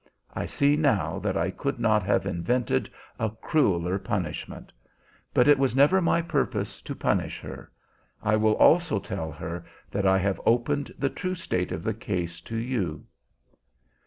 I see now that I could not have invented a crueler punishment; but it was never my purpose to punish her. I will also tell her that I have opened the true state of the case to you."